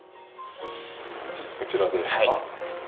次こちらで。